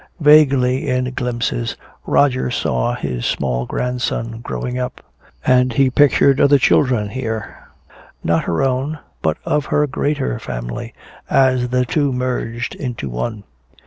Vaguely in glimpses Roger saw his small grandson growing up; and he pictured other children here, not her own but of her greater family, as the two merged into one.